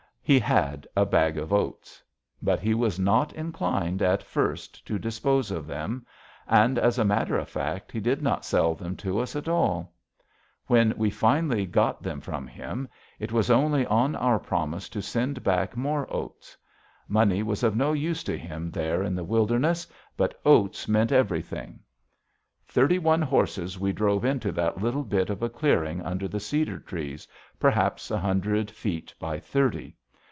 He had a bag of oats. But he was not inclined, at first, to dispose of them, and, as a matter of fact, he did not sell them to us at all. When we finally got them from him, it was only on our promise to send back more oats. Money was of no use to him there in the wilderness; but oats meant everything. Thirty one horses we drove into that little bit of a clearing under the cedar trees, perhaps a hundred feet by thirty.